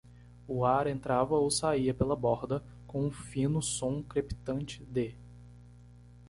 O ar entrava ou saía pela borda com um fino som crepitante de?.